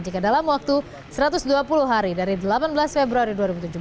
jika dalam waktu satu ratus dua puluh hari dari delapan belas februari dua ribu tujuh belas